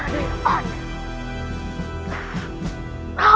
sampai jumpa di video selanjutnya